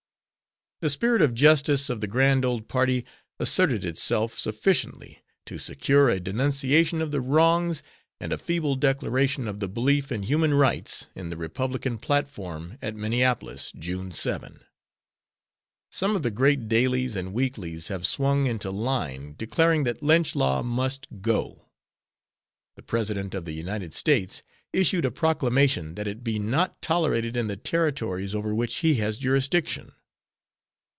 The spirit of justice of the grand old party asserted itself sufficiently to secure a denunciation of the wrongs, and a feeble declaration of the belief in human rights in the Republican platform at Minneapolis, June 7. Some of the great dailies and weeklies have swung into line declaring that lynch law must go. The President of the United States issued a proclamation that it be not tolerated in the territories over which he has jurisdiction.